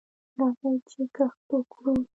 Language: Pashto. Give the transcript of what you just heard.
راځئ چې کښت وکړو.